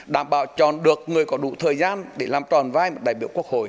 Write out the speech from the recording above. đảm bảo chọn được người có đủ thời gian để làm tròn vai một đại biểu quốc hội